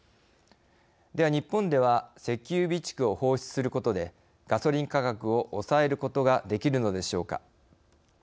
では日本では石油備蓄を放出することでガソリン価格を抑えることができるのでしょうか。